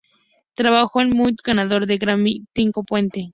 Trabajó con el multi-ganador del Grammy, Tito Puente.